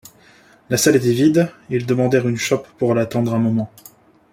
La salle était vide, ils demandèrent une chope pour l’attendre un moment.